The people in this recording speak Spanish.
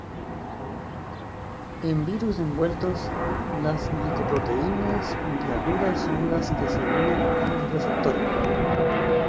En virus envueltos, las glicoproteínas puntiagudas son las que se unen a los receptores.